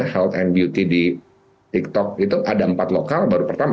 health and beauty di tiktok itu ada empat lokal baru pertama